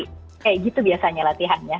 kayak gitu biasanya latihannya